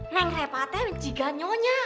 leng repa itu juga nyonya